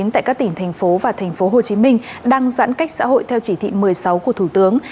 tại các tỉnh thành phố và thành phố hồ chí minh đang giãn cách xã hội theo chỉ thị một mươi sáu của thủ tướng